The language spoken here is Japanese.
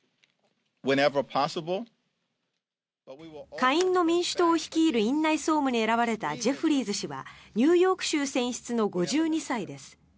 下院の民主党を率いる院内総務に選ばれたジェフリーズ氏はニューヨーク州選出の５２歳です。